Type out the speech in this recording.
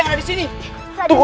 kami tidak melakukan itu pak man